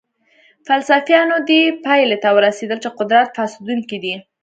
فلسفیانو دې پایلې ته ورسېدل چې قدرت فاسدونکی دی.